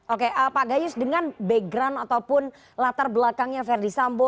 oke pak gayus dengan latar belakangnya verdi sambo